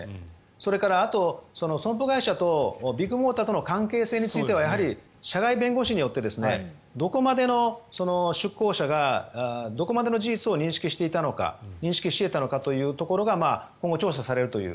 それから、損保会社とビッグモーターとの関係性についてはやはり社外弁護士によって出向者がどこまでの事実を認識していたのか認識し得たのかというところが今後調査されるという。